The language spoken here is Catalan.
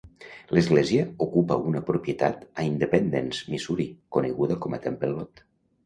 L'església ocupa una propietat a Independence, Missouri, coneguda com Temple Lot.